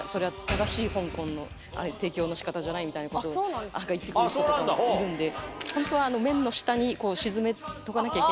みたいなことを言ってくる人とかもいるんで。